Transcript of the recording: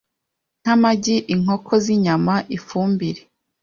nk’amagi, inkoko z’inyama, ifumbire